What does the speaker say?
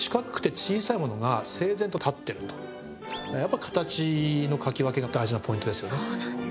やっぱ形の描き分けが大事なポイントですよね。